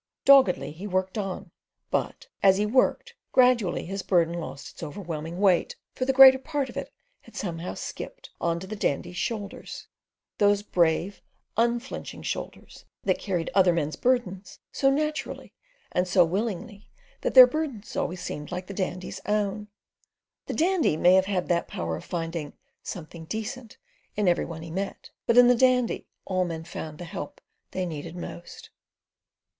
Doggedly he worked on; but, as he worked, gradually his burden lost its overwhelming weight, for the greater part of it had somehow skipped on to the Dandy's shoulders—those brave, unflinching shoulders, that carried other men's burdens so naturally and so willingly that their burdens always seemed the Dandy's own. The Dandy may have had that power of finding "something decent" in every one he met, but in the Dandy all men found the help they needed most.